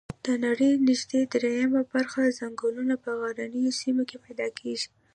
د نړۍ نږدي دریمه برخه ځنګلونه په غرنیو سیمو کې پیدا کیږي